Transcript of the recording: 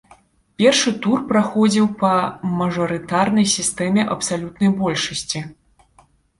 Першы тур праходзіў па мажарытарнай сістэме абсалютнай большасці.